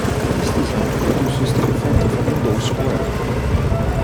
This design produces the effect of an indoor square.